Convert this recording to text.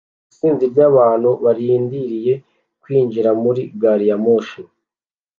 Isinzi ry'abantu barindiriye kwinjira muri gari ya moshi